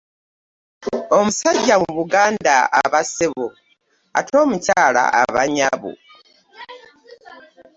Omusajja mu Buganda aba ssebo ate omukyala aba nnyabo.